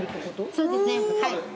そうですねはい。